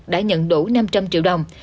đã nhận đủ năm trăm linh triệu đồng